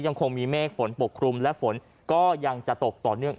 ยังคงมีเมฆฝนปกครุมและฝนก็ยังจะตกต่อเนื่อง